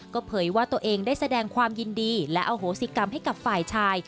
ก็เผยว่าตัวเองได้แสดงความยินดีและอโหสิกรรมให้กับฝ่ายชาย